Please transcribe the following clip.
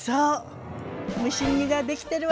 蒸し煮ができてるわよ。